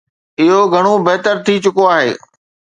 اهو گهڻو بهتر ٿي چڪو آهي.